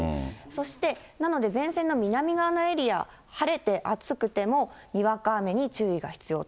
そして、なので前線の南側のエリア、晴れて暑くてもにわか雨に注意が必要とな。